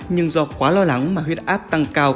nhưng do quá lo lắng mà huyết áp tăng cao